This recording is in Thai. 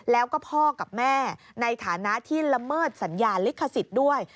แล้วก็พ่อกับแม่ในฐานะที่ละเมิดสัญญาลิขสิทธิ์ด้วย